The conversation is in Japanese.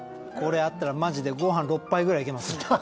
これあったらマジでご飯６杯ぐらいいけますね。